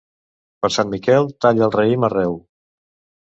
Per Sant Miquel talla el raïm arreu.